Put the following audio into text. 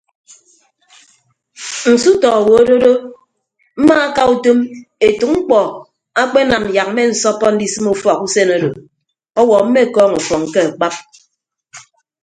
Nsutọ owo adodo mmaaka utom etәk mkpọ akpe anam yak mmensọppọ ndisịm ufọk usen odo ọwuọ mmekọọñ ọfọñ ke akpap.